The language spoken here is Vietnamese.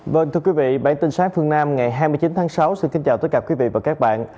vâng thưa quý vị bản tin sáng phương nam ngày hai mươi chín tháng sáu xin kính chào tất cả quý vị và các bạn